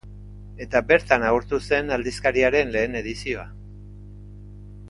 Eta bertan agortu zen aldizkariaren lehen edizioa.